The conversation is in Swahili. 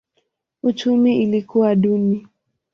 Uchumi ilikuwa duni.